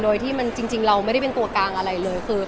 โดยที่มันจริงเราไม่ได้เป็นตัวกลางอะไรเลยคือ